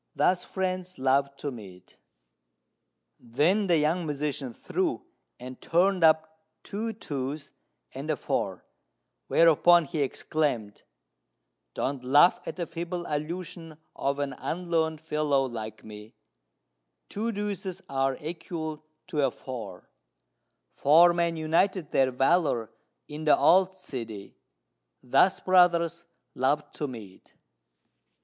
Thus friends love to meet!" Then the young musician threw, and turned up two twos and a four; whereupon he exclaimed, "Don't laugh at the feeble allusion of an unlearned fellow like me: 'Two deuces are equal to a four: Four men united their valour in the old city. Thus brothers love to meet!